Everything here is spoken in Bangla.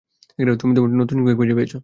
তুমি তোমার নতুন সঙ্গী খুঁজে পেয়েছ!